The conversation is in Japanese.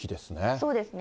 そうですね。